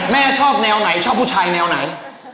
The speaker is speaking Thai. แม่ชอบแนวไหนชอบผู้ชายแนวไหน